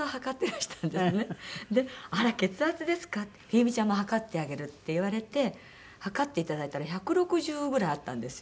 「冬美ちゃんも測ってあげる」って言われて測っていただいたら１６０ぐらいあったんですよ。